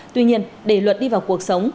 tuy nhiên để luật đi vào cuộc sống